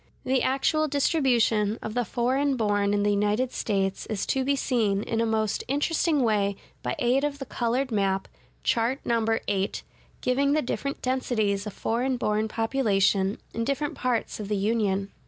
(144) The actual distribution of the foreign born in the United States is to be seen in a most interesting way by aid of the colored map, Chart No. VIII, giving the different densities of foreign born population in different parts of the Union.